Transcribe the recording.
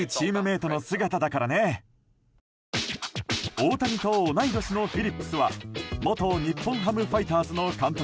大谷と同い年のフィリップスは元日本ハムファイターズの監督